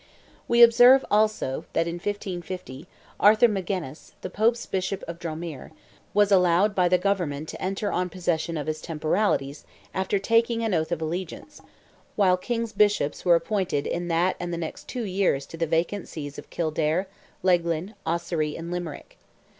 We observe, also, that in 1550, Arthur Magennis, the Pope's Bishop of Dromore, was allowed by the government to enter on possession of his temporalities after taking an oath of allegiance, while King's Bishops were appointed in that and the next two years to the vacant Sees of Kildare, Leighlin, Ossory, and Limerick.